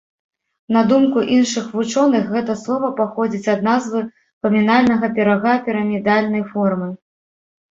На думку іншых вучоных, гэта слова паходзіць ад назвы памінальнага пірага пірамідальнай формы.